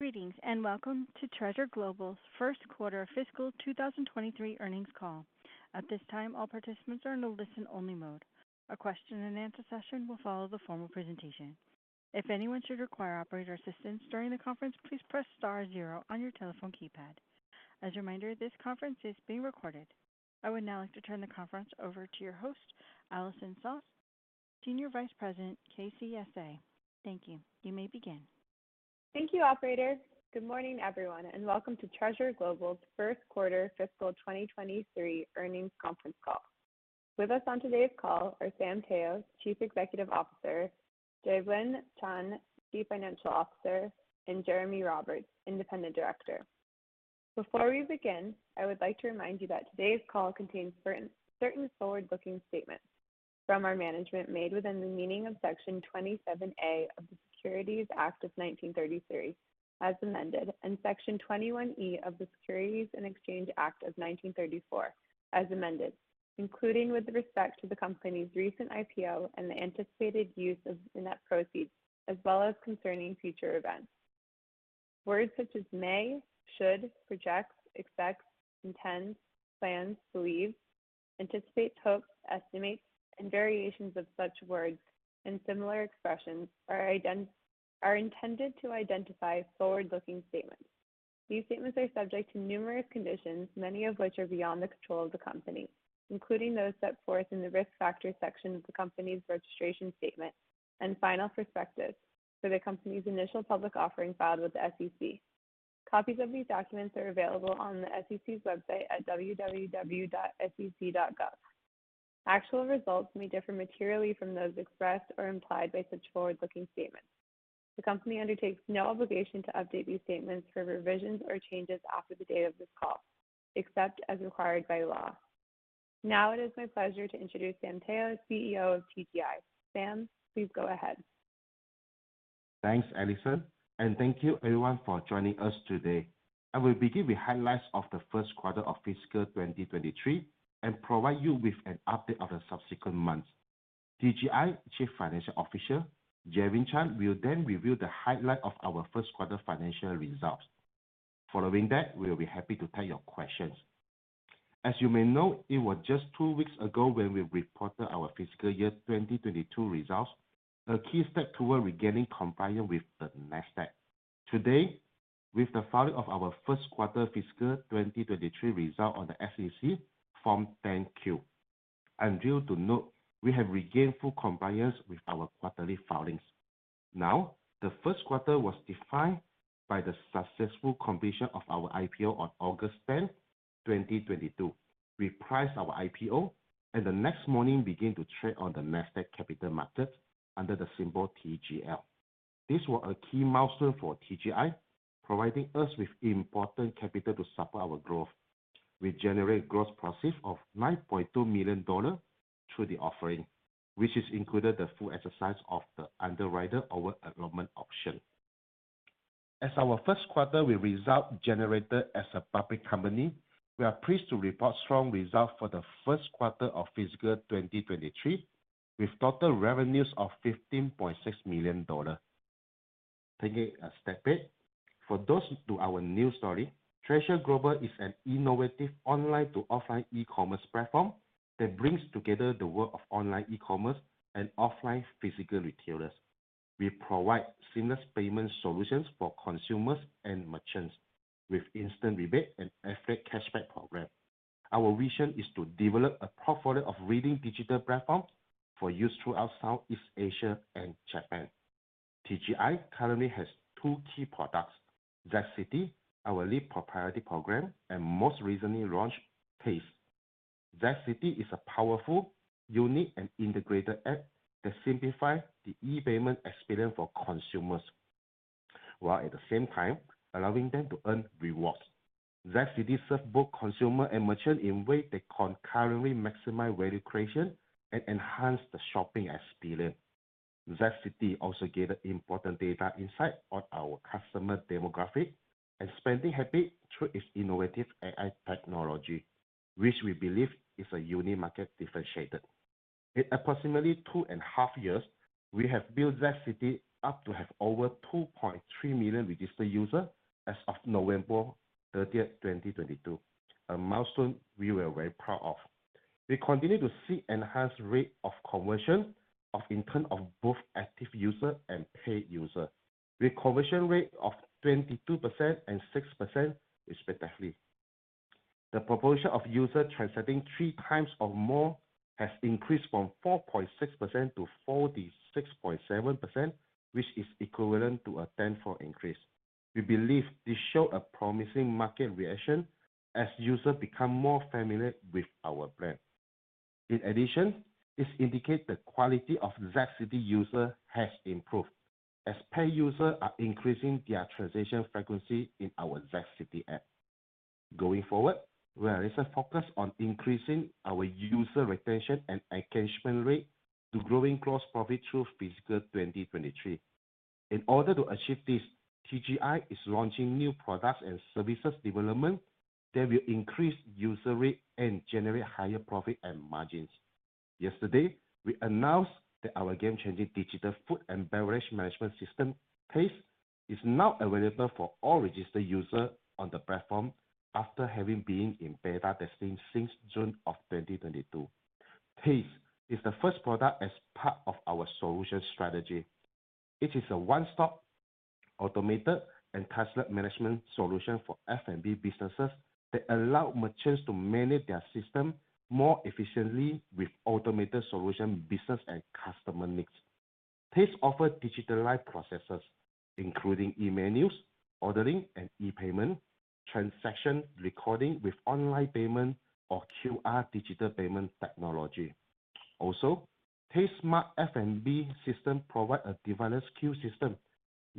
Greetings, welcome to Treasure Global's first quarter fiscal 2023 earnings call. At this time, all participants are in a listen-only mode. A question and answer session will follow the formal presentation. If anyone should require operator assistance during the conference, please press star zero on your telephone keypad. As a reminder, this conference is being recorded. I would now like to turn the conference over to your host, Allison Soss, Senior Vice President, KCSA. Thank you. You may begin. Thank you, operator. Good morning, everyone, and welcome to Treasure Global's first quarter fiscal 2023 earnings conference call. With us on today's call are Sam Teo, Chief Executive Officer, Jaylvin Chan, Chief Financial Officer, and Jeremy Roberts, Independent Director. Before we begin, I would like to remind you that today's call contains certain forward-looking statements from our management made within the meaning of Section 27 A of the Securities Act of 1933, as amended, and Section 21 E of the Securities and Exchange Act of 1934, as amended, including with respect to the company's recent IPO and the anticipated use of the net proceeds, as well as concerning future events. Words such as may, should, projects, expects, intends, plans, believes, anticipate, hopes, estimates, and variations of such words and similar expressions are intended to identify forward-looking statements. These statements are subject to numerous conditions, many of which are beyond the control of the company, including those set forth in the Risk Factors section of the company's registration statement and final prospectus for the company's initial public offering filed with the SEC. Copies of these documents are available on the SEC's website at www.sec.gov. Actual results may differ materially from those expressed or implied by such forward-looking statements. The company undertakes no obligation to update these statements for revisions or changes after the date of this call, except as required by law. It is my pleasure to introduce Sam Teo, CEO of TGI. Sam, please go ahead. Thanks, Allison. Thank you everyone for joining us today. I will begin with highlights of the first quarter of fiscal 2023 and provide you with an update of the subsequent months. TGI Chief Financial Officer, Jaylvin Chan, will then review the highlight of our first quarter financial results. Following that, we'll be happy to take your questions. As you may know, it was just two weeks ago when we reported our fiscal year 2022 results, a key step toward regaining compliance with the Nasdaq. Today, with the filing of our first quarter fiscal 2023 result on the SEC Form 10-Q, I'm thrilled to note we have regained full compliance with our quarterly filings. The first quarter was defined by the successful completion of our IPO on August 10th, 2022. We priced our IPO and the next morning began to trade on the Nasdaq Capital Market under the symbol TGL. This was a key milestone for TGI, providing us with important capital to support our growth. We generated gross proceeds of $9.2 million through the offering, which has included the full exercise of the underwriter over-allotment option. As our first quarter with results generated as a public company, we are pleased to report strong results for the first quarter of fiscal 2023, with total revenues of $15.6 million. Taking a step back, for those to our new story, Treasure Global is an innovative online-to-offline e-commerce platform that brings together the world of online e-commerce and offline physical retailers. We provide seamless payment solutions for consumers and merchants with instant rebate and effective cashback program. Our vision is to develop a portfolio of leading digital platforms for use throughout Southeast Asia and Japan. TGI currently has two key products, ZCITY, our lead proprietary program, and most recently launched, Pace. ZCITY is a powerful, unique, and integrated app that simplifies the e-payment experience for consumers, while at the same time allowing them to earn rewards. ZCITY serves both consumer and merchant in ways that concurrently maximize value creation and enhance the shopping experience. ZCITY also gather important data insight on our customer demographic and spending habit through its innovative AI technology, which we believe is a unique market differentiator. In approximately two and a half years, we have built ZCITY up to have over 2.3 million registered user as of November 30, 2022, a milestone we were very proud of. We continue to see enhanced rate of conversion in term of both active user and paid user. With conversion rate of 22% and 6% respectively. The proportion of user transacting 3x or more has increased from 4.6% to 46.7%, which is equivalent to a tenfold increase. We believe this show a promising market reaction as users become more familiar with our brand. This indicates the quality of ZCITY user has improved, as paid user are increasing their transaction frequency in our ZCITY app. Going forward, we are recent focused on increasing our user retention and engagement rate to growing gross profit through fiscal 2023. In order to achieve this, TGI is launching new products and services development that will increase user rate and generate higher profit and margins. Yesterday, we announced that our game-changing digital food and beverage management system, TAZTE, is now available for all registered user on the platform after having been in beta testing since June of 2022. TAZTE is the first product as part of our solution strategy. It is a one-stop automated and customer management solution for F&B businesses that allow merchants to manage their system more efficiently with automated solution business and customer needs. TAZTE offer digital live processes, including e-menus, ordering and e-payment, transaction recording with online payment or QR digital payment technology. TAZTE smart F&B system provide a developer skill system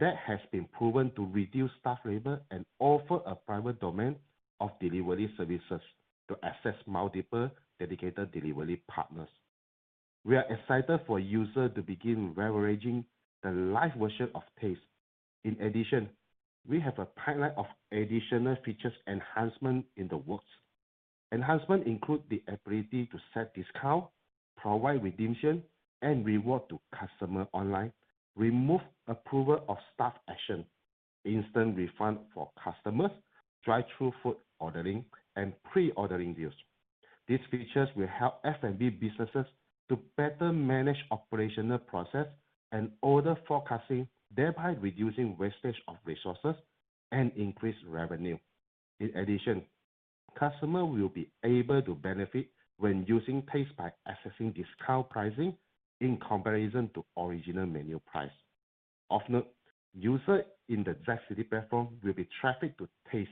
that has been proven to reduce staff labor and offer a private domain of delivery services to access multiple dedicated delivery partners. We are excited for user to begin leveraging the live version of TAZTE. We have a pipeline of additional features enhancement in the works. Enhancement include the ability to set discount, provide redemption, and reward to customer online, remove approval of staff action, instant refund for customers, drive-through food ordering, and pre-ordering deals. These features will help F&B businesses to better manage operational process and order forecasting, thereby reducing wastage of resources and increase revenue. Customer will be able to benefit when using TAZTE by accessing discount pricing in comparison to original menu price. User in the ZCITY platform will be trafficked to TAZTE,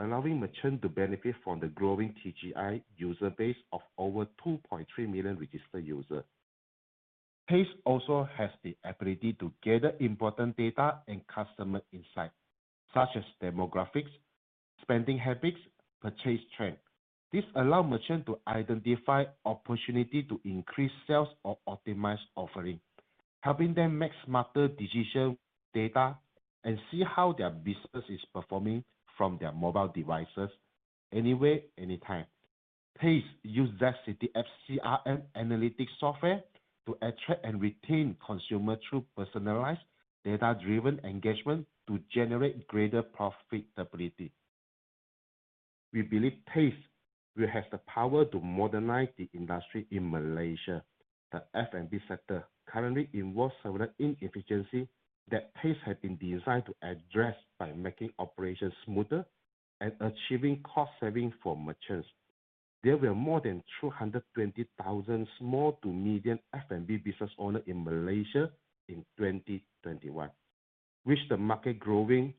allowing merchant to benefit from the growing TGI user base of over 2.3 million registered user. TAZTE also has the ability to gather important data and customer insight, such as demographics, spending habits, purchase trend. This allow merchant to identify opportunity to increase sales or optimize offering, helping them make smarter decision data and see how their business is performing from their mobile devices, anywhere, anytime. TAZTE use ZCITY CRM analytics software to attract and retain consumer through personalized data-driven engagement to generate greater profitability. We believe TAZTE will have the power to modernize the industry in Malaysia. The F&B sector currently involves several inefficiency that TAZTE has been designed to address by making operations smoother and achieving cost saving for merchants. There were more than 220,000 small to medium F&B business owner in Malaysia in 2021, with the market growing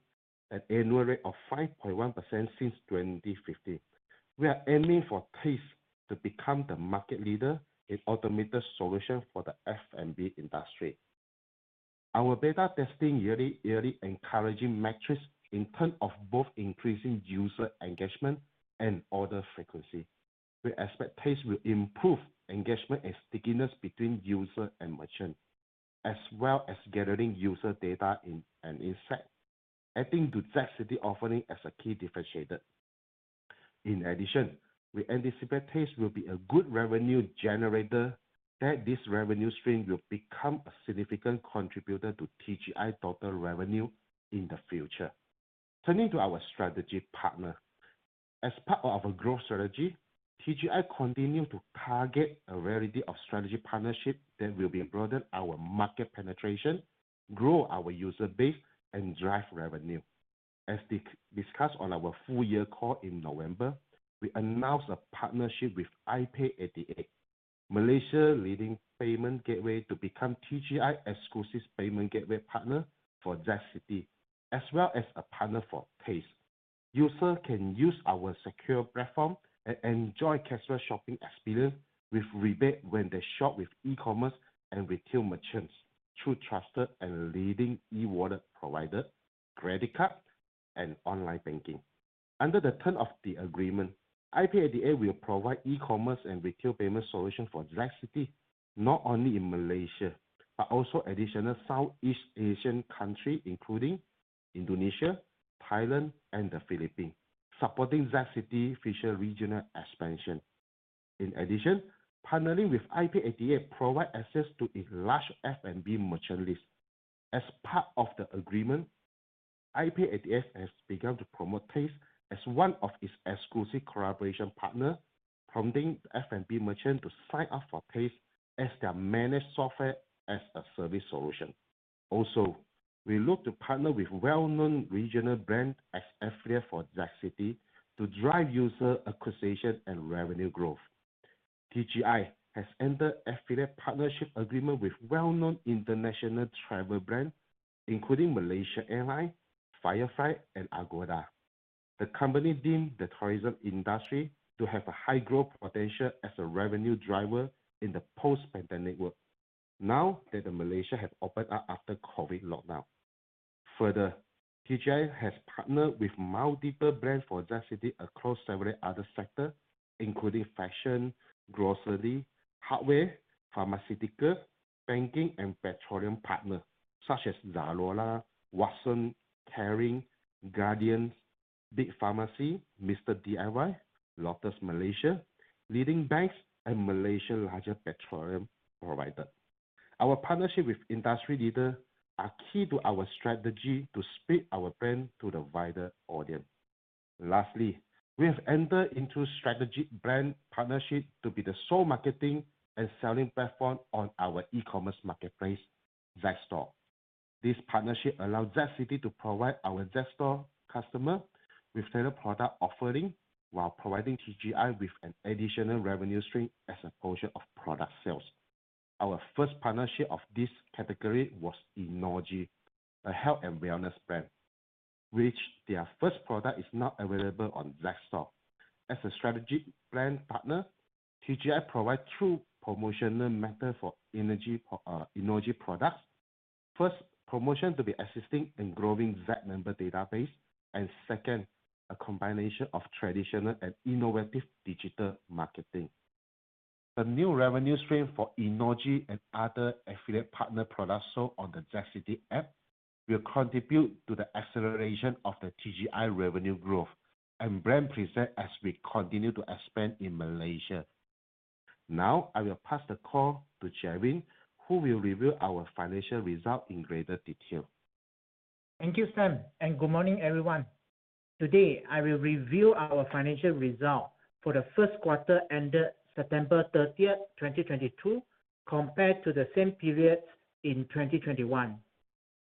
at annual rate of 5.1% since 2050. We are aiming for TAZTE to become the market leader in automated solution for the F&B industry. Our beta testing yearly encouraging metrics in term of both increasing user engagement and order frequency. We expect TAZTE will improve engagement and stickiness between user and merchant, as well as gathering user data, adding to ZCITY offering as a key differentiator. In addition, we anticipate TAZTE will be a good revenue generator, that this revenue stream will become a significant contributor to TGI total revenue in the future. Turning to our strategy partner. As part of our growth strategy, TGI continue to target a variety of strategy partnership that will be broaden our market penetration, grow our user base, and drive revenue. As discussed on our full year call in November, we announced a partnership with iPay88, Malaysia leading payment gateway to become TGI exclusive payment gateway partner for ZCITY, as well as a partner for TAZTE. User can use our secure platform and enjoy casual shopping experience with rebate when they shop with e-commerce and retail merchants through trusted and leading e-wallet provider, credit card, and online banking. Under the term of the agreement, iPay88 will provide e-commerce and retail payment solution for ZCITY, not only in Malaysia, but also additional Southeast Asian country, including Indonesia, Thailand, and the Philippines, supporting ZCITY future regional expansion. In addition, partnering with iPay88 provide access to a large F&B merchant list. As part of the agreement, iPay88 has begun to promote TAZTE as one of its exclusive collaboration partner, prompting the F&B merchant to sign up for TAZTE as their managed software as a service solution. Also, we look to partner with well-known regional brand as affiliate for ZCITY to drive user acquisition and revenue growth. TGI has entered affiliate partnership agreement with well-known international travel brand, including Malaysia Airlines, Firefly, and Agoda. The company deemed the tourism industry to have a high growth potential as a revenue driver in the post-pandemic world now that the Malaysia have opened up after COVID lockdown. Further, TGI has partnered with multiple brands for ZCITY across several other sector, including fashion, grocery, hardware, pharmaceutical, banking, and petroleum partner, such as ZALORA, Watsons, Kering, Guardian, BIG Pharmacy, MR D.I.Y., Lotus's Malaysia, leading banks, and Malaysia larger petroleum provider. Our partnership with industry leader are key to our strategy to spread our brand to the wider audience. Lastly, we have entered into strategic brand partnership to be the sole marketing and selling platform on our e-commerce marketplace, Zstore. This partnership allows ZCITY to provide our Zstore customer with tailored product offering while providing TGI with an additional revenue stream as a portion of product sales. Our first partnership of this category was enogy, a health and wellness brand, which their first product is now available on Zstore. As a strategic brand partner, TGI provide true promotional method for enogy products. First, promotion to be assisting in growing Z member database, and second, a combination of traditional and innovative digital marketing. The new revenue stream for enogy and other affiliate partner products sold on the ZCITY app will contribute to the acceleration of the TGI revenue growth and brand presence as we continue to expand in Malaysia. Now, I will pass the call to Jaylvin, who will review our financial result in greater detail. Thank you, Sam. Good morning, everyone. Today, I will review our financial results for the first quarter ended September 30th, 2022, compared to the same period in 2021.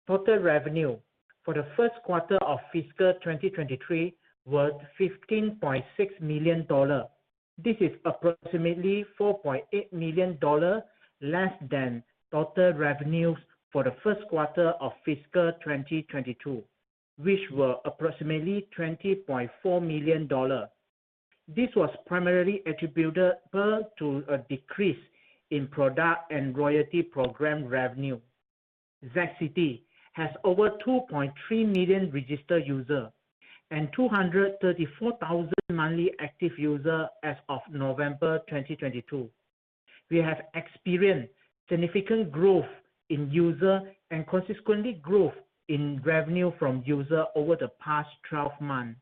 Total revenue for the first quarter of fiscal 2023 was $15.6 million. This is approximately $4.8 million less than total revenues for the first quarter of fiscal 2022, which were approximately $20.4 million. This was primarily attributable to a decrease in product and royalty program revenue. ZCITY has over 2.3 million registered users and 234,000 monthly active users as of November 2022. We have experienced significant growth in users and consequently growth in revenue from users over the past 12 months.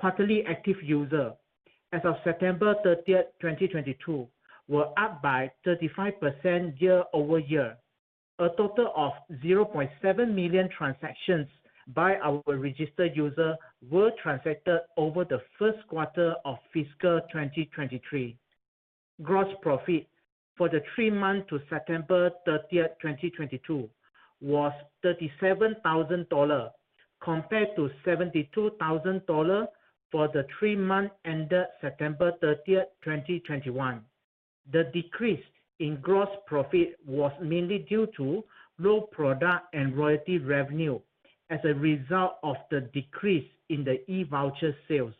Quarterly active users as of September 30th, 2022, were up by 35% year-over-year. A total of 0.7 million transactions by our registered user were transacted over the first quarter of fiscal 2023. Gross profit for the three months to September 30th, 2022, was $37,000 compared to $72,000 for the three months ended September 30th, 2021. The decrease in gross profit was mainly due to low product and royalty revenue as a result of the decrease in the E-voucher sales.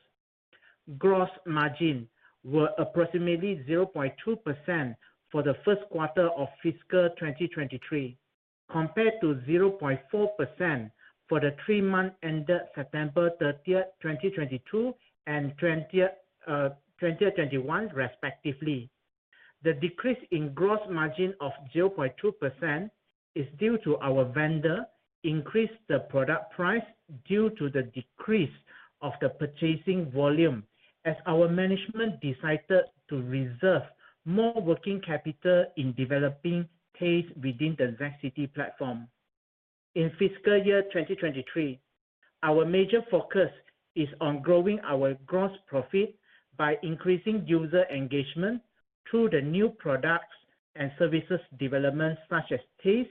Gross margin were approximately 0.2% for the first quarter of fiscal 2023, compared to 0.4% for the three months ended September 30th, 2022 and 2021 respectively. The decrease in gross margin of 0.2% is due to our vendor increased the product price due to the decrease of the purchasing volume as our management decided to reserve more working capital in developing TAZTE within the ZCITY platform. In fiscal year 2023, our major focus is on growing our gross profit by increasing user engagement through the new products and services developments such as TAZTE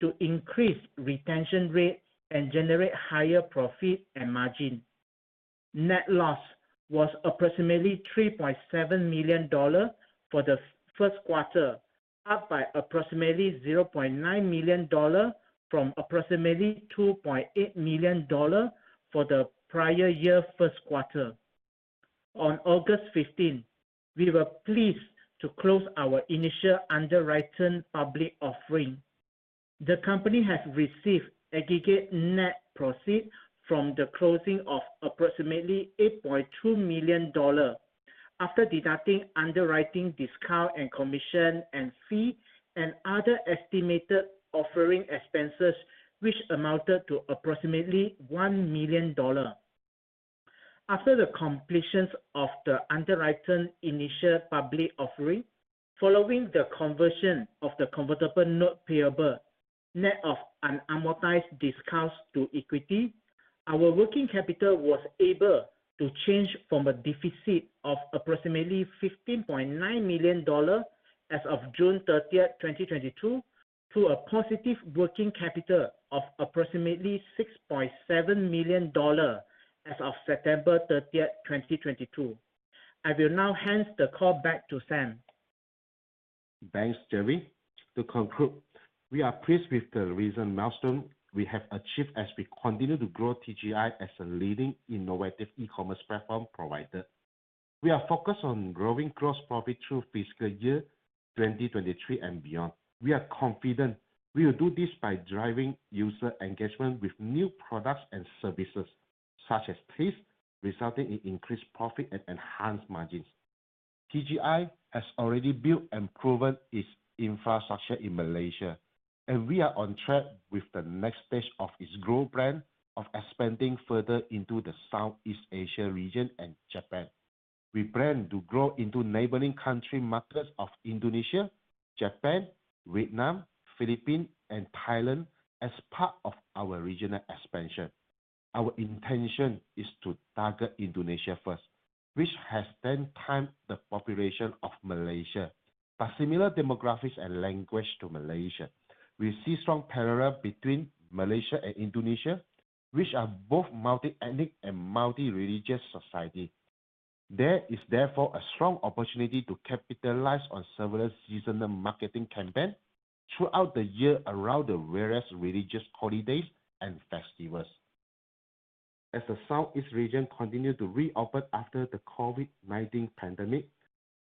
to increase retention rates and generate higher profit and margin. Net loss was approximately $3.7 million for the first quarter, up by approximately $0.9 million from approximately $2.8 million for the prior year first quarter. On August 15th, we were pleased to close our initial underwritten public offering. The company has received aggregate net proceed from the closing of approximately $8.2 million after deducting underwriting discount and commission and fee and other estimated offering expenses which amounted to approximately $1 million. After the completions of the underwritten initial public offering, following the conversion of the convertible note payable, net of unamortized discounts to equity, our working capital was able to change from a deficit of approximately $15.9 million as of June 30th, 2022, to a positive working capital of approximately $6.7 million as of September 30th, 2022. I will now hand the call back to Sam. Thanks, Jerry. To conclude, we are pleased with the recent milestone we have achieved as we continue to grow TGI as a leading innovative e-commerce platform provider. We are focused on growing gross profit through fiscal year 2023 and beyond. We are confident we will do this by driving user engagement with new products and services such as TAZTE, resulting in increased profit and enhanced margins. TGI has already built and proven its infrastructure in Malaysia, and we are on track with the next stage of its growth plan of expanding further into the Southeast Asia region and Japan. We plan to grow into neighboring country markets of Indonesia, Japan, Vietnam, Philippines, and Thailand as part of our regional expansion. Our intention is to target Indonesia first, which has 10x the population of Malaysia, a similar demographics and language to Malaysia. We see strong parallel between Malaysia and Indonesia, which are both multi-ethnic and multi-religious society. There is therefore a strong opportunity to capitalize on several seasonal marketing campaign throughout the year around the various religious holidays and festivals. As the Southeast region continue to reopen after the COVID-19 pandemic,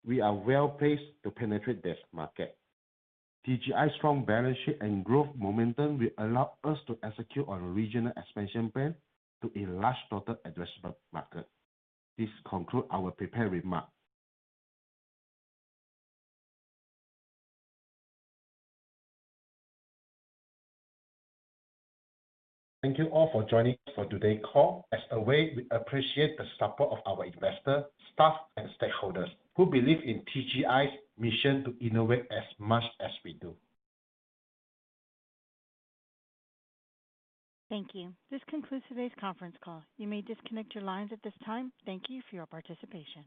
we are well-placed to penetrate this market. TGI's strong balance sheet and growth momentum will allow us to execute on regional expansion plan to a large total addressable market. This concludes our prepared remarks. Thank you all for joining us for today's call. As always, we appreciate the support of our investors, staff, and stakeholders who believe in TGI's mission to innovate as much as we do. Thank you. This concludes today's conference call. You may disconnect your lines at this time. Thank you for your participation.